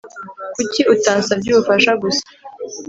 Kuki utansabye ubufasha gusa